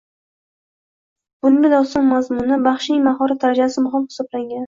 Bunda doston mazmuni, baxshining mahorat darajasi muhim hisoblangan